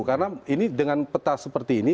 karena ini dengan peta seperti ini